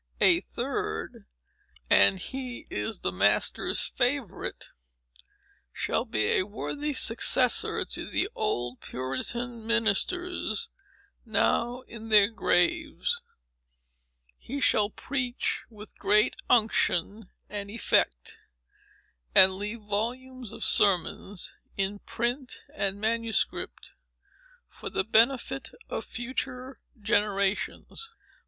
A third—and he is the Master's favorite—shall be a worthy successor to the old Puritan ministers, now in their graves; he shall preach with great unction and effect, and leave volumes of sermons, in print and manuscript, for the benefit of future generations.